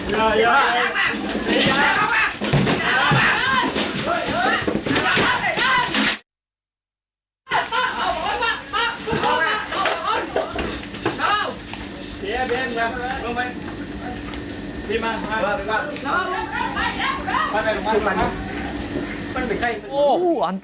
มาคุณผู้ชมมาระวัง